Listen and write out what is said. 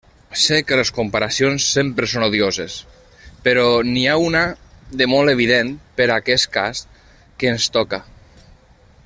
Sé que les comparacions sempre són odioses, però n'hi ha una de molt evident per aquest cas que ens toca.